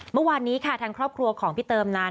เมื่อวานนี้ค่ะทางครอบครัวของพี่เติมนั้น